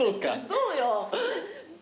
そうよ。